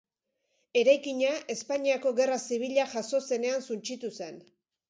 Eraikina Espainiako Gerra Zibila jazo zenean suntsitu zen.